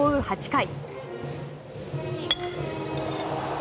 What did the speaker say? ８回。